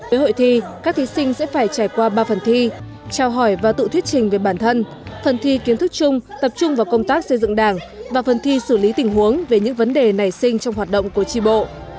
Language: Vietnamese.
với hội thi các thí sinh sẽ phải trải qua ba phần thi trao hỏi và tự thuyết trình về bản thân phần thi kiến thức chung tập trung vào công tác xây dựng đảng và phần thi xử lý tình huống về những vấn đề nảy sinh trong hoạt động của tri bộ